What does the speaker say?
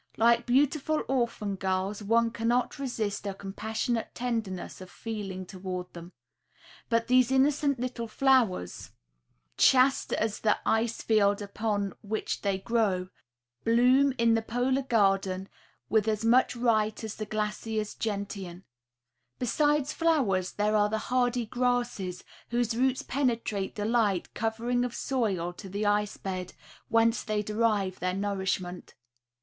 Like beautiful orphan girls, one cannot resist a compassionate tenderness of feeling toward them. But these innocent little flowers, chaste as the ice field upon which they grow, bloom in the polar garden with as much right as the glacier's gentian. Besides flowers, there are the hardy grasses whose roots penetrate the light covering of soil to the ice bed, whence they derive their nourishment.